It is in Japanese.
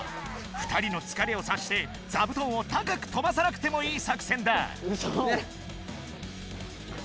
２人のつかれをさっして座布団を高く飛ばさなくてもいい作戦だ。